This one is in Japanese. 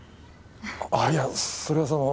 あっいやそれはその。